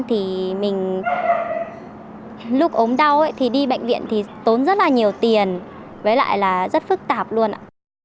thì mình lúc ốm đau thì đi bệnh viện thì tốn rất là nhiều tiền với lại là rất phức tạp luôn ạ